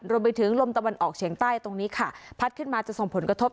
รวมไปถึงลมตะวันออกเฉียงใต้ตรงนี้ค่ะพัดขึ้นมาจะส่งผลกระทบ